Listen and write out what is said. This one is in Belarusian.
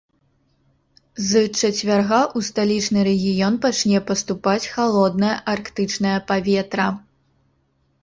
З чацвярга ў сталічны рэгіён пачне паступаць халоднае арктычнае паветра.